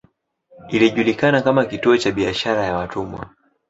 Ilijulikana kama kituo cha biashara ya watumwa.